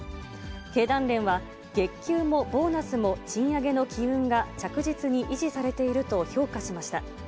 経団連は、月給もボーナスも賃上げの機運が着実に維持されていると評価しました。